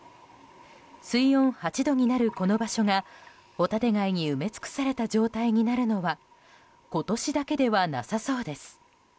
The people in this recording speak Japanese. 水温８度になるこの場所がホタテ貝に埋め尽くされた状態になるのは今年だけではなさそうです。